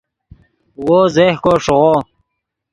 وو زیہکو ݰیغو